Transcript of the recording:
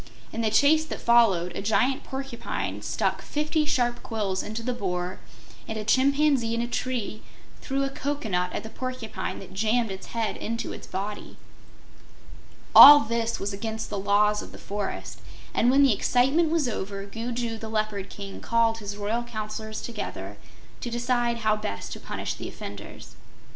In the chase that followed a giant porcupine stuck fifty sharp quills into the Boar and a chimpanzee in a tree threw a cocoanut at the porcupine that jammed its head into its body. All this was against the Laws of the Forest, and when the excitement was over, Gugu the Leopard King called his royal Counselors together to decide how best to punish the offenders.